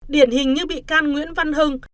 điển hình như bị can nguyễn văn hưng